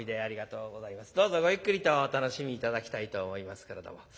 どうぞごゆっくりとお楽しみ頂きたいと思いますけれども。